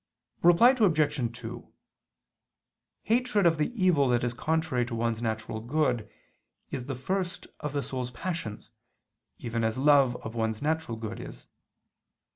Reply Obj. 2: Hatred of the evil that is contrary to one's natural good, is the first of the soul's passions, even as love of one's natural good is.